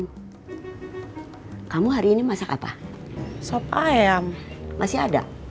hai kamu hari ini masak apa sop ayam masih ada